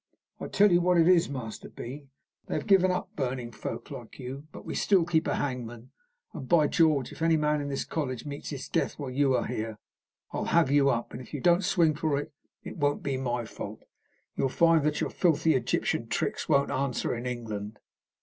I tell you what it is, Master B., they have given up burning folk like you, but we still keep a hangman, and, by George! if any man in this college meets his death while you are here, I'll have you up, and if you don't swing for it, it won't be my fault. You'll find that your filthy Egyptian tricks won't answer in England."